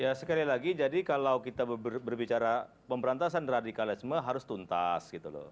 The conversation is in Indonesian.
ya sekali lagi jadi kalau kita berbicara pemberantasan radikalisme harus tuntas gitu loh